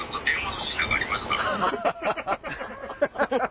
ハハハハ！